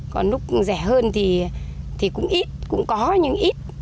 còn lúc rẻ hơn thì cũng ít cũng có nhưng ít